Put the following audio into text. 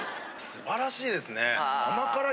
素晴らしいですね。